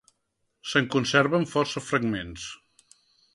Se'n conserven força fragments.